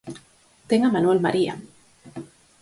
Ten a Manuel María!